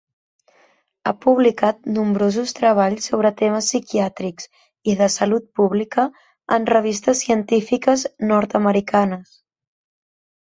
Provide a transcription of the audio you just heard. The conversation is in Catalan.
Ha publicat nombrosos treballs sobre temes psiquiàtrics i de salut pública en revistes científiques nord-americanes.